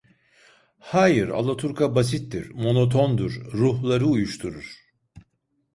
Hayır, alaturka basittir, monotondur, ruhları uyuşturur.